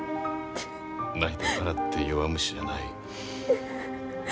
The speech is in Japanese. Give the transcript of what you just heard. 泣いたからって弱虫じゃない。